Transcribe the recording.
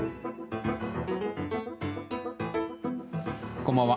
こんばんは。